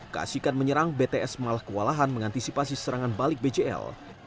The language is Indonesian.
kasihkan menyerang bts malah kewalahan mengantisipasi serangan balik bgl